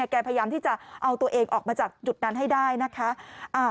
พยายามที่จะเอาตัวเองออกมาจากจุดนั้นให้ได้นะคะ